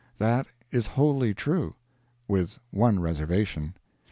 That is wholly true with one reservation.